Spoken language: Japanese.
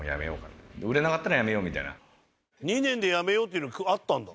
２年で辞めようっていうのあったんだ。